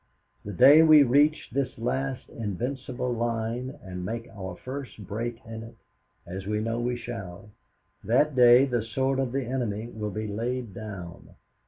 The day we reach this last invincible line and make our first break in it as we know we shall that day the sword of the enemy will be laid down!